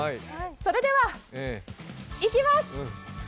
それでは行きます。